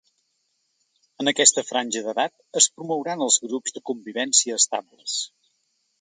En aquesta franja d’edat, es promouran els grups de convivència estables.